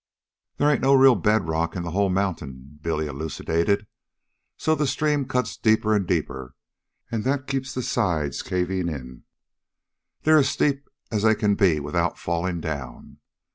"They ain't no real bed rock in the whole mountain," Billy elucidated, "so the stream cuts deeper'n deeper, an' that keeps the sides cavin' in. They're as steep as they can be without fallin' down.